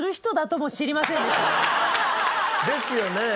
ですよね。